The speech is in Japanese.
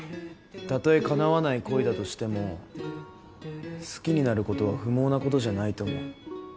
例え叶わない恋だとしても好きになることは不毛なことじゃないと思う。